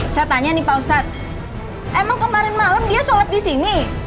saya tanya nih pak ustadz emang kemarin malam dia sholat di sini